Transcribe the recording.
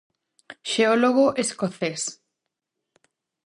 Xeólogo escocés.